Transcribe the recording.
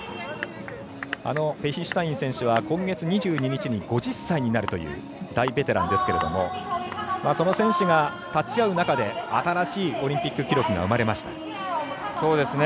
ペヒシュタイン選手は今月２２日に５０歳になるという大ベテランですけどその選手が、立ち会う中で新しいオリンピック記録が生まれました。